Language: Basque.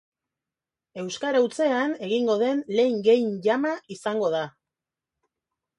Euskara hutsean egingo den lehen Game Jama izango da